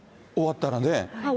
終わったらね。